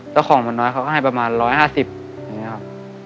เจ้าของมันน้อยเขาก็ให้ประมาณร้อยห้าสิบอย่างนี้ครับ